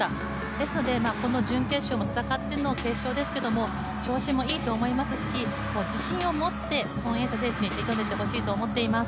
ですので、準決勝を戦っての決勝ですけれども、調子もいいと思いますし自信を持って孫エイ莎選手に挑んでいってほしいと思っています。